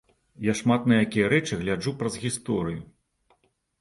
Я шмат на якія рэчы гляджу праз гісторыю.